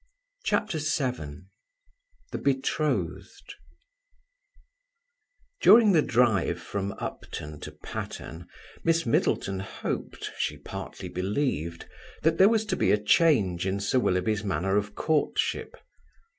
CHAPTER VII THE BETROTHED During the drive from Upton to Patterne, Miss Middleton hoped, she partly believed, that there was to be a change in Sir Willoughby's manner of courtship.